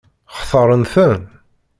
Xtaṛen-ten?